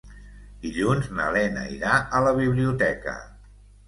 Dilluns na Lena irà a la biblioteca.